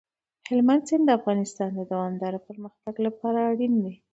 هلمند سیند د افغانستان د دوامداره پرمختګ لپاره اړین دی.